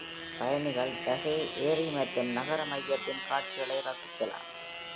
பயணிகள் தைஹு ஏரி மற்றும் நகர மையத்தின் காட்சிகளை ரசிக்கலாம்.